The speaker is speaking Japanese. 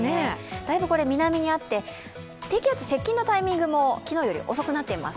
だいぶ南にあって、低気圧接近のタイミングも昨日より遅くなっています。